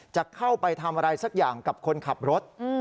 จะเข้าไปทำอะไรสักอย่างกับคนขับรถ